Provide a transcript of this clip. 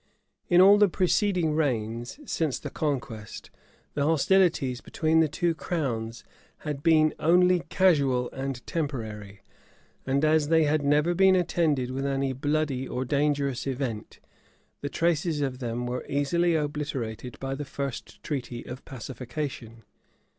In all the preceding reigns since the conquest, the hostilities between the two crowns had been only casual and temporary; and as they had never been attended with any bloody or dangerous event, the traces of them were easily obliterated by the first treaty of pacification.